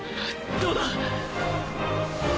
どうだ？